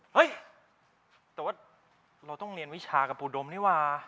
เฮ้ยแต่ว่าเราต้องเรียนวิชากับปูดมนี่ว่า